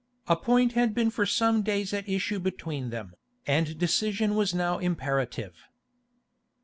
A point had been for some days at issue between them, and decision was now imperative.